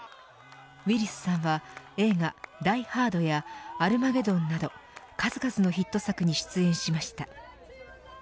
ウィリスさんは映画ダイ・ハードやアルマゲドンなど数々のヒット作に出演しました。